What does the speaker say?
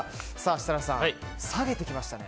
設楽さん、下げてきましたね。